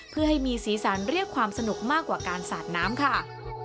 เพื่อให้มีสีสันเรียกความสนุกมากกว่าการสาดน้ำค่ะ